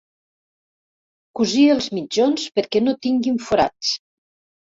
Cosir els mitjons perquè no tinguin forats.